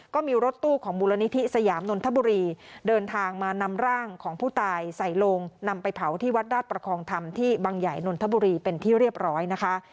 ก็มีรถตู้ของมูลนิธิสยามนนทบุรีเดินทางมานำร่างของผู้ตายใส่ลงนำไปเผาที่วัดราชประคองธรรมที่บังใหญ่นนทบุรีเป็นที่เรียบร้อยนะคะ